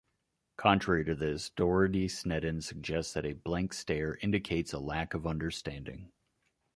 Contrary to this, Doherty-Sneddon suggests that a blank stare indicates a lack of understanding.